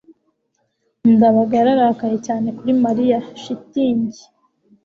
ndabaga yararakaye cyane kuri mariya. (shitingi